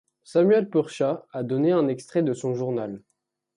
Samuel Purchas a donné un extrait de son journal.